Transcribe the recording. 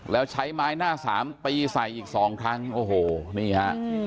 แล้วใช้ไม้หน้าสามตีใส่อีกสองครั้งโอ้โหนี่ฮะ